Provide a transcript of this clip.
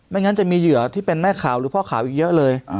งั้นจะมีเหยื่อที่เป็นแม่ขาวหรือพ่อขาวอีกเยอะเลย